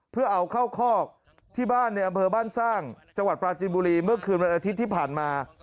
เพื่อเอาเข้าคอกที่บ้านในอำเภอบ้านสร้างจังหวัดปราจินบุรีเมื่อคืนวันอาทิตย์ที่ผ่านมา